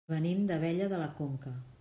Venim d'Abella de la Conca.